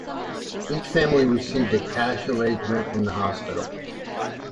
Each family received a cash arrangement from the hospital.